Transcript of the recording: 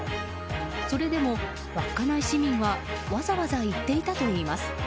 それでも稚内市民はわざわざ行っていたといいます。